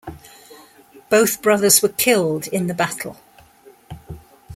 Both brothers were killed in the battle.